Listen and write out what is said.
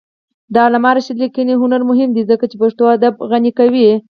د علامه رشاد لیکنی هنر مهم دی ځکه چې پښتو ادب غني کوي.